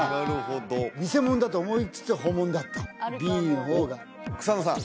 あ偽物だと思いつつ本物だったＢの方が草野さん